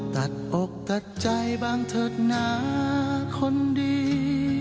ตัดอกตัดใจบ้างเถิดหนาคนดี